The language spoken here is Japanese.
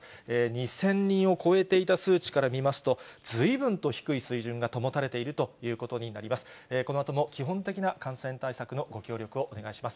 ２０００人を超えていた数値から見ますと、ずいぶんと低い水準が保たれているということになります。